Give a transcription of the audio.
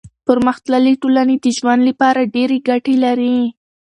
پرمختللي ټولنې د ژوند لپاره ډېر ګټې لري.